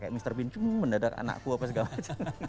kayak mr bin cung mendadak anakku apa segala macem